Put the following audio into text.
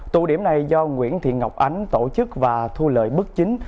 tụ điểm này do nguyễn thị ngọc ánh tổ chức và thu lợi bất chính